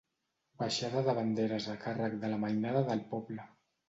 Baixada de banderes a càrrec de la mainada del poble.